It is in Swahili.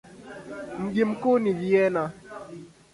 Mji mkuu ni Vienna.